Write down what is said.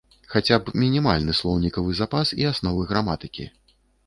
Хаця б мінімальны слоўнікавы запас і асновы граматыкі.